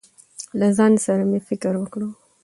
له ځان سره مې فکر وکړ.